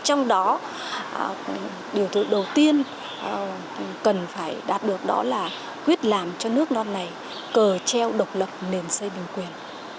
trong đó điều thứ đầu tiên cần phải đạt được đó là quyết làm cho nước non này cờ treo độc lập nền xây bình quyền